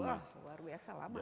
wah luar biasa lama